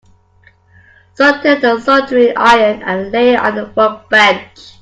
Some tin and a soldering iron are laying on the workbench.